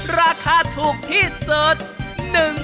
ราคาถูกที่เสิร์ช